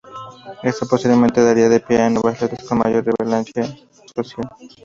Esto posteriormente daría pie a nuevas letras con mayor relevancia social.